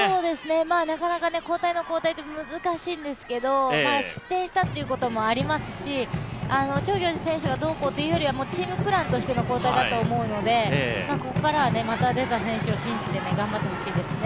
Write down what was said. なかなか交代の交代って難しいんですけど、失点したということもありますし、長行司選手はどうこうというよりもチームプランとしての交代だと思うのでここからはまた出た選手を信じて頑張ってほしいですね。